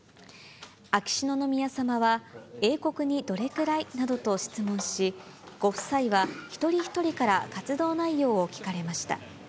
秋篠宮さまは、英国にどれくらいなどと質問し、ご夫妻は、一人一人から活動内容を聞かれました。